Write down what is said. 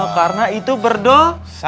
karena itu berdosa